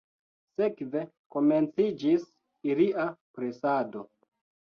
Sekve komenciĝis ilia presado.